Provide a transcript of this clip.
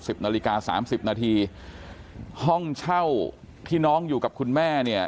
นาฬิกาสามสิบนาทีห้องเช่าที่น้องอยู่กับคุณแม่เนี่ย